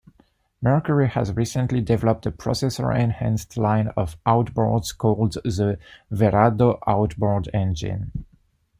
Mercury has recently developed a processor-enhanced line of outboards called the "Verado" outboard engine.